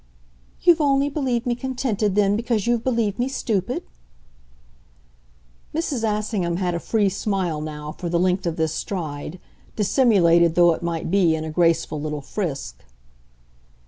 "You've only believed me contented then because you've believed me stupid?" Mrs. Assingham had a free smile, now, for the length of this stride, dissimulated though it might be in a graceful little frisk.